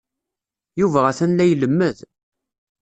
Yuba atan la ilemmed.